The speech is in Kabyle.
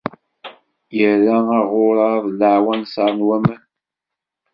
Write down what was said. Irra aɣurar d leɛwanser n waman.